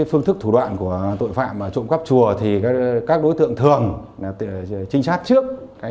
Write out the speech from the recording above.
phương thức thủ đoạn của tội phạm trộm cắp chùa thì các đối tượng thường trinh sát trước